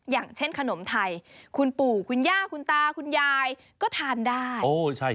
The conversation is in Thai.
อย่างเช่นขนมไทยคุณปู่คุณย่าคุณตาคุณยายก็ทานได้